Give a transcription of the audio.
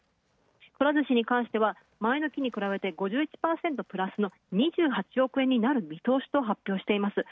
くら寿司に関しては前の期に比べて５１％プラスの２８億円になる見通しと発表しております。